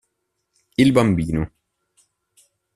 Il bambino.